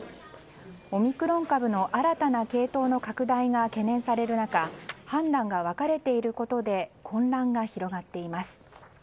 オミクロン株の新たな系統の拡大が懸念される中判断が分かれていることで混乱が広がっています。